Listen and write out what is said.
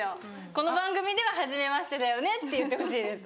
この番組でははじめましてだよねって言ってほしいです。